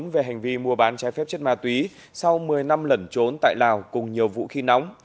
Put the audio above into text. về hành vi mua bán trái phép chất ma túy sau một mươi năm lẩn trốn tại lào cùng nhiều vũ khí nóng